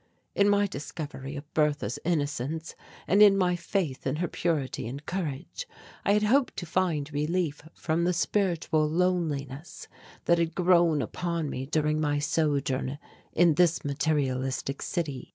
In my discovery of Bertha's innocence and in my faith in her purity and courage I had hoped to find relief from the spiritual loneliness that had grown upon me during my sojourn in this materialistic city.